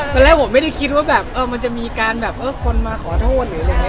ตอนแรกผมไม่ได้คิดว่ามันจะมีการคนมาขอโทษหรืออะไรแบบนี้